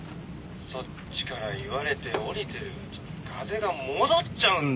そっちから言われて降りてるうちに風が戻っちゃうんだよ！